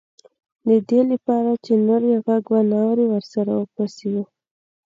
د دې لپاره چې نور یې غږ وانه وري ورسره وپسه.